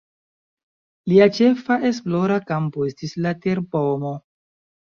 Lia ĉefa esplora kampo estis la terpomo.